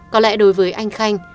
có lẽ đối với anh khanh